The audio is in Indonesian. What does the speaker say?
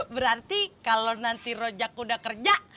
berarti kalau nanti rojak udah kerja